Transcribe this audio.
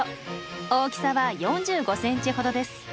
大きさは４５センチほどです。